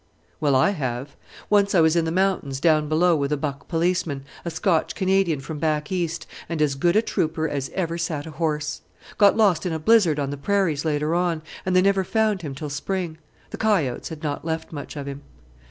"Well, I have. Once I was in the mountains down below with a buck policeman, a Scotch Canadian from back east, and as good a trooper as ever sat a horse. Got lost in a blizzard on the prairies later on, and they never found him till spring the coyotes had not left much of him.